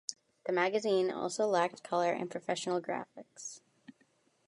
The magazine also lacked color and professional graphics.